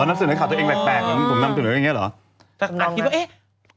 อ๋อนำเสนอข่าวตัวเองแปลกมันต้องนำเสนอตัวเองอย่างเงี้ยหรอ